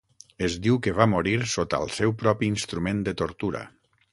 Es diu que va morir sota el seu propi instrument de tortura.